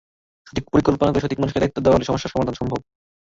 সঠিক পরিকল্পনা করে সঠিক মানুষকে দায়িত্ব দেওয়া হলে সমস্যার সমাধান সম্ভব।